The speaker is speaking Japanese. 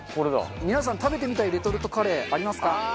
皆さん食べてみたいレトルトカレーありますか？